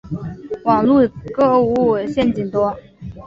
网路购物陷阱多